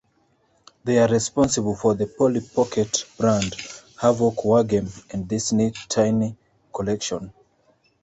They are responsible for the Polly Pocket brand, Havok wargame and Disney Tiny Collection.